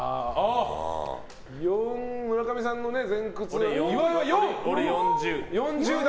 村上さんの前屈、岩井は４と。